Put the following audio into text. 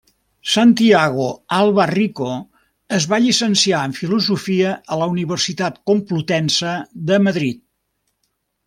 Santiago Alba Rico es va llicenciar en Filosofia a la Universitat Complutense de Madrid.